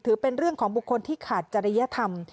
ถือเป็นเรื่องของบุคคลที่ขาดจริยธรรม